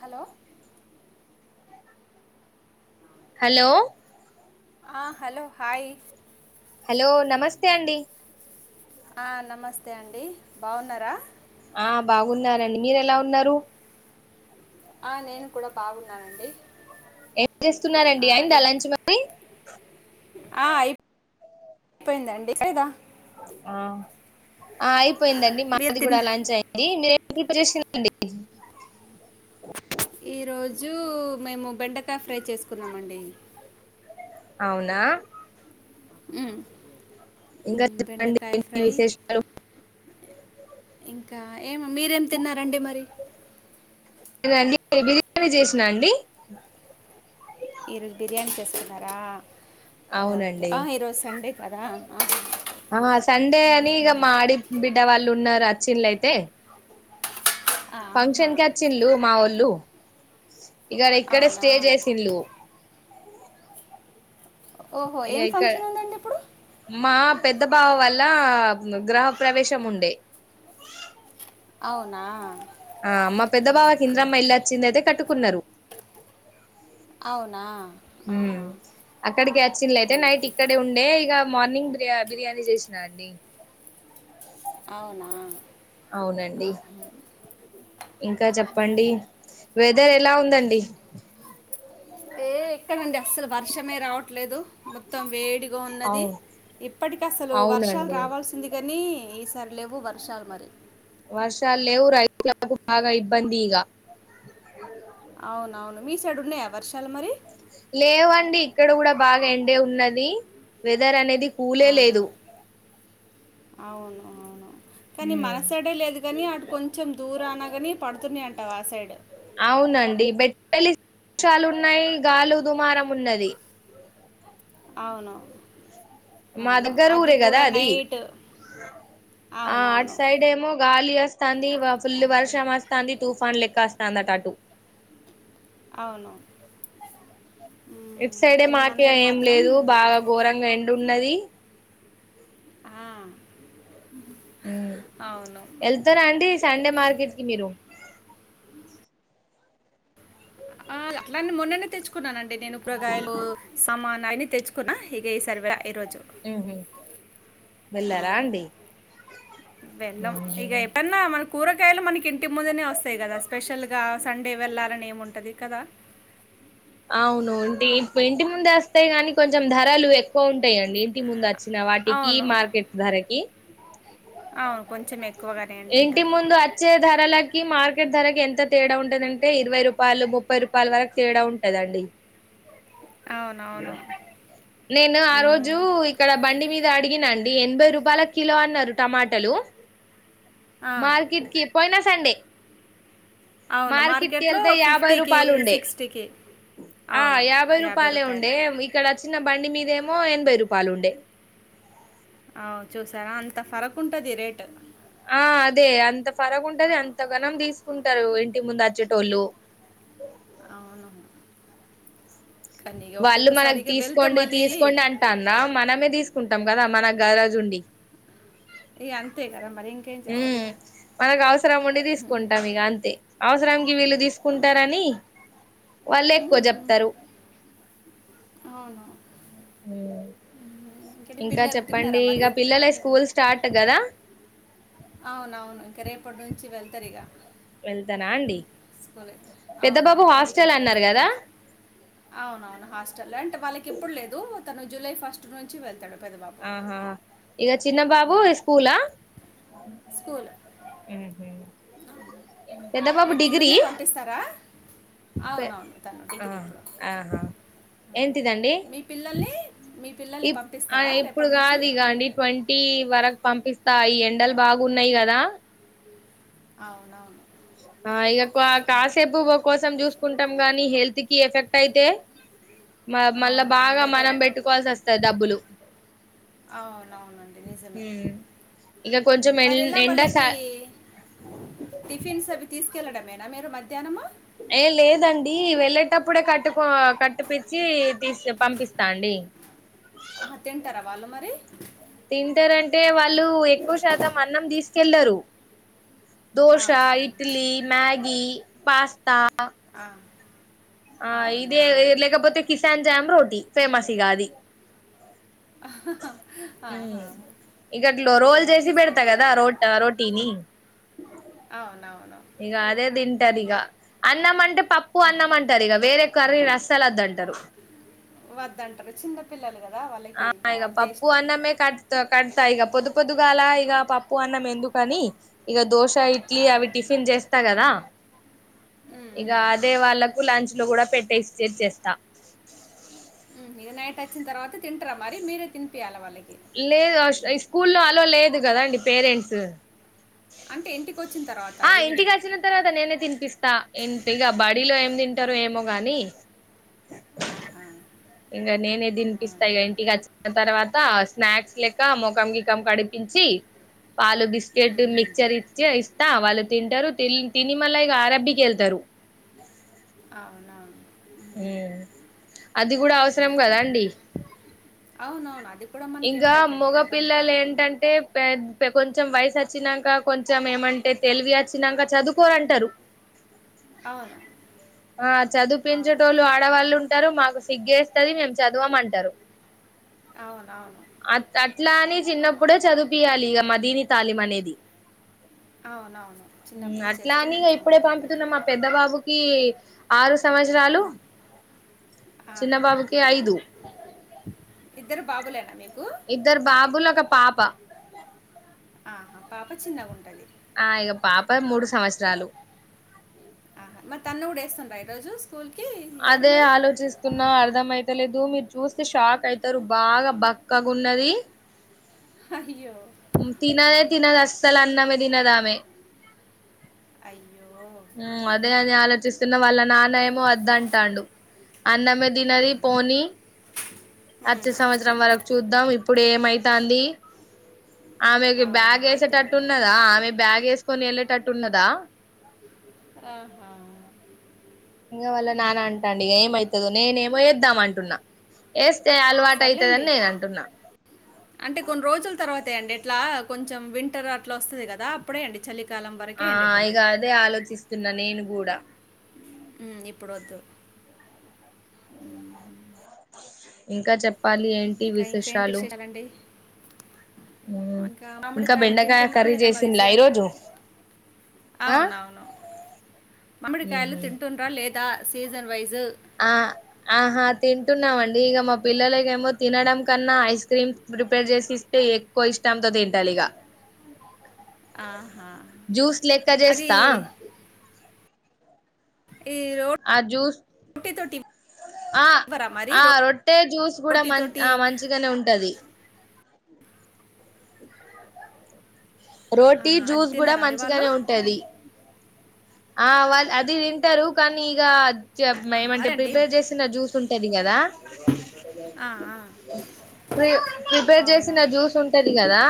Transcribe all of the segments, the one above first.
Hello hello ఆ hello hi hello నమస్తే అండి ఆ నమస్తే అండి బావున్నారా ఆ బాగున్నారండి మీరు ఎలా ఉన్నారు ఆ నేను కూడా బాగున్నానండి ఏం ఆ, చేస్తున్నారండి అయిందా ఏ- లంచ్ మరి ఆ అయిపో అయిపోయిందండి లేదా ఆ అయిపోయిందండి మీరు మాది కూడా తిన్న లంచ్ అయింది మీరే పిప్పు చేసిందండి ఈరోజు మేము బెండకాయ ఫ్రై చేసుకున్నామండి అవునా మ్మ్ ఇంకా మ్మ్, చెప్పండి బెండకాయ ఏంటి ఫ్రై విశేషాలు ఇంకా ఏం మీరేం తిన్నారండి మరి నేనండి బిర్యానీ చేసినా అండి ఈరోజు బిర్యానీ చేస్తున్నారా అవునండి ఆ ఈరోజు సండే కదా ఆ సండే అనిగ మా ఆడి బిడ్ డ వాళ్ళు ఉన్నారు వచ్చిల్లయితే ఆహా. ఫంక్షన్ కి వొచ్చిల్లు మావోళ్ళు గ డిక్కడే అవునా స్టే చేసిల్లు ఓహో ఇకా ఏం ఇక్క ఫంక్షన్ ఉందండి ఇప్పుడు మా పెద్ద బావ వాళ్ లా గ్రహ ప్ర్రవేశము ఉండే అవునా ఆ మా పెద్ద బావకి ఓకే ఇంద్రమ్మ ఓకే ఇల్లచ్చింది అయితే కట్టుకున్నారు అవునా ఆహా అక్కడికచ్చిలయితే నైట్ ఇక్కడే ఉండే ఇగ మార్నింగ్ బిర్యా బిర్యానీ చేసినా అండి అవునా అవునండి ఆహా. ఇంకా చెప్పండి వె దరెలా ఉందండి ఏ ఎక్కడండి అస్సలు వర్షమే రావట్లేదు మొత్తం వేడి ఉన్నది అవును ఇప్పటికి అసలు వర్షాలు అవునండి రావాల్సింది కాని ఈసారి లెవ్వు వర్షాలు మరి వర్షాలు లేవు రైతులకు బాగా ఇబ్బందిగా అవునవును మీ సైడ్ ఉన్నాయా వర్షాలు మరి లేవండి ఇక్కడ కూడా బాగా ఎండే ఉన్నది వెదర్ అనేది కూలే అవునా లేదు అవును అవును కానీ మన ఉమ్ సైడే లేదు కానీ అటు కొంచెం దూరనగాని పడుతున్నాయంట ఆ సైడ్ అవునండి బెట్టలిషాలు ఉన్నాయి గాలు దుమారం ఉన్నది అవును మా అవును దగ్గర అది ఊరే కదా కూడా అది నైట్ ఆ అటు అవునవును సైడ్ ఏమో గాలి వస్తాంది ఫుల్ వర్ష్ వర్షం వస్తంది తూఫాను లెక్క అస్తందట అటు అవును ఇట్ మ్మ్. సైడే కానీ మన మాకిగ సైడ్ ఏం మాత్రం లేదు బాగా ఘోరంగా ఎండున్నది ఆ అవును వెళ్తారా అండి సండే ఏ- మార్కెట్కి మీరు ఆ అట్లా మొన్ననే తెచ్చుకున్నానండి నేను కూరగాయలు సమాన్ నాయన్ని తెచ్చుకున్నా ఇక ఈ సర్వే ఈ రోజు మ్మ్ హ్మ్ వెళ్ళారా అండి వెళ్లం ఉహు ఇక ఏంటన్న మన కూరగాయలు మనకి ఇంటి ముందునే వస్తాయి కదా స్పెషల్గా సండే వెళ్ళాలని ఏముంటుంది కదా అవును ఇంటి ముందు వేస్తే కానీ కొంచెం ధరలు ఎక్కువ ఉంటాయిండి ఇంటి ముందు వ వచ్చిన వాటికి మార్కెట్ ధరకి అ కొంచమే ఇంటి ముందు అచ్చే ధరాలకి మార్కెట్ ధరకి ఎంత తేడా ఉంటదంటే ఇరవై రూపాయలు ముప్పై రూపాయల వరకు తేడా ఉంటదండి అవునవును నేను ఆ రోజు మ్మ్. ఇక్కడ బండి మీద అడిగిన అండి అండి ఎనబై రూపాయిలు కిలో అన్నారు టమోటలు ఆ. మార్కెట్ కి పోయినా ే అవును మార్కెట్కి మార్కెట్లో వెళ్తే యాభై ఫిఫ్టీకి రూపాయలు ఉండే సిక్స్టీకి ఆ యాభై రూపాయలే ఉండే ఇక్కడ చిన్న బండి మీదేమో ఎనభై రూపాయలు ఉండే అవు చూసారా అంత ఫరకు ఉంటది రేటు ఆ అదే అంత ఫరకు ఉంటది అంత ఘనం తీసుకుంటారు ఇంటి ముందు అచ్చేటోళ్ళు అవును కానీ ఇక వాళ్ళు ఒక్కొక్కసారి మనకు ఇక వెళ్తే తీసుకోండి మళ్ళీ తీసుకోండి అంటన్న మనమే తీసుకుంటాం కదా మనకు గారజుండీ ఇగ అంతే కదా మరి ఇంకేం ఉ చేస్తారు ఇక మనకు అవసరం ఉండి తీసుకుంటాం ఇక అంతే అవసరానికి వీళ్ళు తీసుకుంటారని వల్లే ఎక్కువ ఉమ్, చెప్తారు అవును ఉమ్, ఇంకేంటి ఇంకా పిల్లలు తిన్నారా చెప్పండి మరి ఇక పిల్లలే స్కూల్స్ స్టార్ట్ కదా అవునవును ఇంక రేపటి నుంచి వెళ్తారు ఇక వెళ్తారా అండి స్కూల్ పెద్ద బాబు అవునవును హాస్టల్ పంపించడమే అన్నారు కదా రేపటినుంచి అవునవును హాస్టల్ అంటే వాళ్ళకి ఎప్పుడు లేదు తను జులై ఫస్ట్ నుంచి వెళ్తాడు పెద్దబాబు ఆహా ఇక చిన్న బాబు స్కూలా స్కూలు పెద్ద బాబు మీ డిగ్రీ పిల్లల్ని పంపిస్తారా స అవునవును తను ఆ డిగ్రీ ఇప్పుడు ఆహా ఎంటిదండీ మీ పిల్లల్ని మీ ఇ పిల్లల్ని పంపిస్తారా ఇప్పుడు రేపటి నుంచి కాదు ఇక అండి ట్వంటీ వరకు పంపిస్తా యి ఎండలు బాగున్నాయి కదా అవున ఆ ఇక కాసేపు కోసం చూస్త కుంటాం గాని హెల్త్ కి ఎఫెక్ట్ అయితే మ మళ్ళా అవును బాగా మళ్ళీ అదో మనం పెట్టుకోవాల్సి వస్తాది డబ్బులు అ అవునవునండి నిజమే హ్మ్ ఇక కొంచెం ఎం మరిలా ఎండ సా వాల్ళకి టిఫిన్స్ అవి తీసుకెళ్ళడమేనా మీరు మధ్యాహ్నము ఏ లేదండి వెళ్ళేటప్పుడే కట్టు కట్టి పిచ్చి పంపిస్తాండి ఆహా, తింటారా వాళ్ళు మరి తింటారంటే వాళ్ళు ఎక్కువ శాతం అన్నం తీసుకెళ్లారు దోశా ఆహా ఇట్లీ మ్యాగి పాస్తా ఆ ఆ అవునా ఇదే లేకపోతే కిసాన్ జామ్ రోటీ ఫేమస్ ఇగ అది ఆహా హా ఆ హా ఇకట్లో రోల్ చేసి పెడతా కదా రోట్ రోటీని అవునవును ఇక అదే తింటారు ఇక అన్నం అంటే పప్పు ఆహా. అన్నం అంటారు ఇక వేరే కర్రీ అస్ లోదంటారు వద్దంటారు చిన్నపిల్లలు కదా వాళ్ళకి ఆ ఇంకా ఇగా అదే పప్పు ఇష్టం అన్నమే కట్తా కట్తా ఇక పొదు పొదుగా గలా పప్పు అన్నం ఎందుకని ఇక దోస ఇడ్లీ అవి ఆహా టిఫ త కదా ఉమ్, ఇగ ఉమ్. అదే వాళ్ళకు లంచ్ లో కూడా పెట్టేసి చెర్ చేేస్తా ఉమ్ ఇగ నైట్ వచ్చిన తర్వాత తింటారా మరి మీరే తినిపియాల వాళ్ళకి లేదు ఆ ష్ స్కూల్లో అలో లేదు కదా అండి పేరెంట్స్ అంటే ఎంటి ఆ ఇంటికి వచ్చిన తర్వాత నేనే తినిపిస్తా ఇంటిగా బడీలో ఏం తింటారో ఏమో గాని ఆహా ఇంకా నేనే తినిపిస్తా అవునా ఇగ ఇంటికి వచ్చిన తర్వాత స్నాక్స్ లెక్క ముఖం గికం కడి నిపించి పాలు బిస్కెట్ ఉమ్, ఉమ్. మిక్చర్ ఇచ్చి ఇస్ త వాళ్ళు తింటారు తిల్ తిని మళ్ళా ఇగా అరబ్బీకి వెళ్తారు అవునవును ఉమ్ అది కూడా అవసరం కదా అండి అవునవును అది కూడా మనకి ఇంకా ఇంపార్టెంటే కదా మగపిల్లలు ఏంటంటే పెద్ కొంచెం వయసు వచ్చినాక కొంచెం ఏమంటే తెలివి వచ్చినాక చదువుకోరంటారు అవును ఆ అవును చదివుపించేటోలు ఆడవాళ్ళు ఉంటారు మాకు సిగ్గేస్తది మేము చదువుకోమంటారు అవునవును అ అట్లా అని చిన్నప్పుడే చదుపియాలి ఇక మదీని తాలిం అనేది అవునవును ఉమ్ చిన్నప్పుడు అట్లా చేస్తే అని ఇక మంచిగా ఇప్పుడే ఉంటుంది వాళ్ళకి పంపితున్నా మా పెద్ద బాబుకి ఆరు సంవత్సరాలు ఆ చిన్న హా బాబుకి ఐదు ఇద్దరు బాబు లేనా మీ ఇద్దరు బాబులు ఒక పాప ఆహా పాప చిన్నగా ఉంటది ఆ ఇక పాప మూడు సంవత్సరాలు ఆహా మరి తన్న కూడా ఏస్తుంద ఈరోజు స్కూల్కి ఇయర్ అదే మరి ఆలోచిస్తున్నా అర్ధంమయితలేదు మీరు చూస్తే షాక్ అయితారు బాగా బక్కగా ఉన్నది అయ్యో ఉమ్ తినదే ఆహా తినదు అసలు అన్నం ఏ తినదామె అయి ఉమ్ అదే అదే ఆలోచిస్తున్న వాళ్ళ నాన్న ఏమో వద్ద అంటాడు అన్నమే ఆ, తినది పోనీ ఉమ్. ఆచే సంవత్సరం వరకు చూద్దాం ఇప్పుడు ఏమై తాంది ఆమెకి బ్యాగ్ అవునవును ఏసేటట్టు అంతేనండి ఉన్నదా ఆమె బ్యాగ్ ఎస్ కొని ఏళ్ళేటట్టు ఉన్నదా ఆహ ఇంకా వళ్ళ నానా అంటాండి ఇక ఏమవుతుంది నేనేమో వేద్దాం అంటున్నా ఎస్ తే సర్లేండి అలవాటయితదని నేను అంటున్నా తే అండి ఇట్లా కొంచెం వింటర్ అట్లా వస్తుంది కదా అప్పుడే అండి చలి ఆ ఇగ అదే ఆలోచిస్తున్నా నేను కూడా ఉమ్ ఇప్పుడు వద్దు ఇంకా చెప్పాలి ఏంటి ఇంకా ఇంకా ఏంటి విశేషాలు విశేషాలండి ఇంకా మామిడికాయలు బెండకాయ తింటున్నారా కర్రీ లేదా మరి చేసిన్ల సీజన్ ఈరోజు ఆ అవునవును మామ్మిడికాయలు తింటుండ్రా లేదా సీజన్ వైజ్ ఆ ఆహా తింటున్నామం డి ఇగ మా పిల్లలక ఏమో తినడం కన్నా ఐస్ క్రీమ్ ప్రిపేర్ చేసి ఇస్తే ఎక్కువ ఇష్టంతో తింటాలిగ ఆహ జ్యూస్ లెక్క అది చేస్తా ఈ అజు రోటీతోటి ఆ ఇవ్వరా మరి ఆ రొట్టె జ్యూస్ కూడా మ రోటీతోటి ఆ మంచిగానే ఉంటది రోటీ ఆహా, అది జ్యూస్ కూడా తినరా మరి వాళ్ళు మంచిగనే ఉంటది ఆ వాళ్ళు అది తింటారు కానీ ఇక జె ఆ, ఏమంటే అదండి ప్రిపేర్ చేసిన జ్యూస్ కన్టది కదా ఆ ఆ ప్రి ప్రిపేర్ చేసన అవునవును జ్యూస్ ఉంటది కదా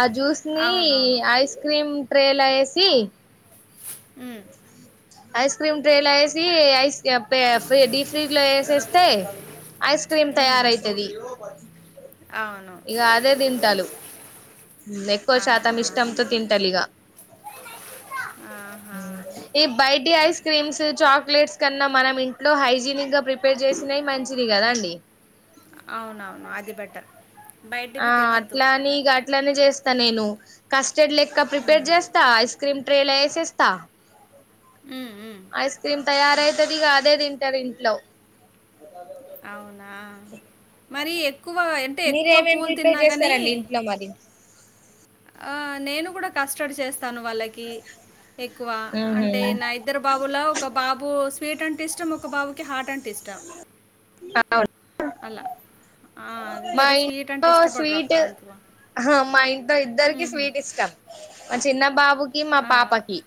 ఆ జ్యూస్ ని అవునవును ఐస్ క్రీమ్ ట్రేలా ఏసి ఉమ్ ఐస్ క్రీమ్ డ్రేలా వేసి ఐస్ డీ ఫ్రీజ్ లో వేసేస్తే ఐస్ క్రీమ్ ఉమ్, తయారైతది అవును ఇగ అదే తింటాలు ఎక్కువ శాతం ఆహా ఇష్టంతో తింటరీగ ఆహా ఈ బైటి ఐస్ క్రీమ్స్ చాక్లేట్స్ కన్నా మనం ఇంట్లో హైజీనిక్ గా ప్రిపేర్ చేసినాయి మంచిది కదా అండి అవునవును అది బెటర్ ఆ బయటివి తినొద్దు అట్లానే ఇగ అట్లనీ చేస్తా నేను కస్టర్డ్ లెక్క ఉమ్, ప్రిపేర్ చేస్తా ఇస్ క్రీమ్ ట్రేల ఎసేస్త ఉమ్, ఉమ్. ఐస్ క్రీమ్ తయారైతది ఇక అదే తింటరు ఇంట్లో అవునా మరి ఎక్కువ అంటే ఎక్కువ మీరేమేం కూల్ ప్రిపేర్ తిన్నా కాని చేస్తారండి ఇంట్లో మరి ఆ నేను కూడా కస్టర్డ్ చేస్తాను వాళ్ళకి ఎక్కువ ఉహు అంటే నా ఇద్దరు బాబులో ఒక బాబు స్వపీట్ అంటే ఇష్టం ఒక బాబకి హార్ట్ అంటే ఇష్టం అవున అలా అ ఇద్దరు స్వీట్ అంటె ఇంట్లో ఇష్టపడ్ర అక్క అంతవా ద ఇద్దరికి స్వీట్ ఇష్టం మా చిన్న బాబుకి మా ఆ, పాపకి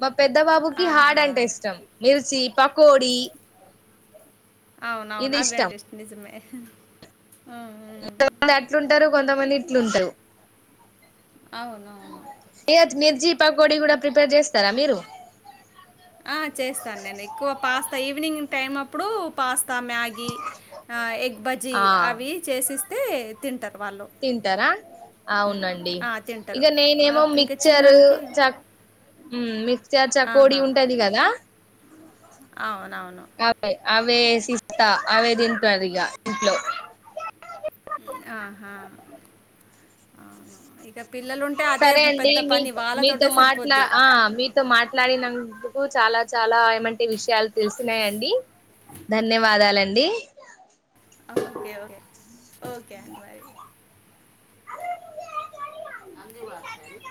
మా పెద్ద బాబుకి హార్డ్ ఆహా అంటే ఇష్టం మిర్చి పకోడి ఇది అవునవునువ ఇష్టం ఎంట ఇస్ నిజమే ఉమ్. కొంతమంది అట్లుంటరు కొంతమంది ఇట్లుంటరు అవునవును పప్పకోడి కూడా ప్రిపేర్ చేస్తరా మీరు ఆ చేస్తాను నేను ఎక్కువ పాస్తా ఈవినింగ్ టైం అప్పుడు పాస్తా మ్యా ఇ ఆ ఎగ్ బజ్జి ఆ అవి చేసిస్తే తింటా తింటారా అవునండి ఆ! ఇగ తింటారు. నేనేమో ఆహ్, ఇంకా మిక్చరు చిన్నానికి చ మ్ మిక్చర్ చకోడి ఆహా! ఉంటది కదా అవునవును అవేసిస్త అవే దింటదిగా ఇంట్లో ఆహా అవునా ఇతప్ సరే అండి మీ, మీతో మాట్లా సరిపోద్ది. ఆ మీతో మాట్లాడినందుకు చాలా. చాలా ఏమంటే విషయాలు తెలిసినాయండి ధన్యవాదాలండి. ఓకే ఓకే ఓకే అండి బాయ్ అంది వాక్యాన్ని